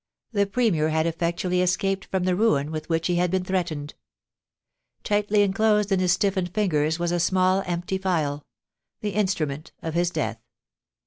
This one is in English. The Premier had effectually escaped from the ruin with which he had been threatened. Tightly enclosed in his stiffened fingers was a small empty phial — the instrument of his death.